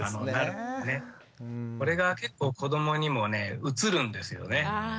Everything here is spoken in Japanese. これが結構子どもにも移るんですよね。